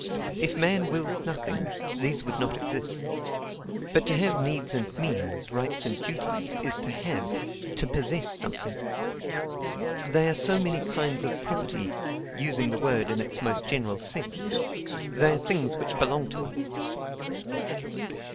If man willed nothing, these would not exist. But to have needs and means, rights and duties, is to HAVE, to POSSESS, something. They are so many kinds of property, using the word in its most general sense: they are things which belong to us."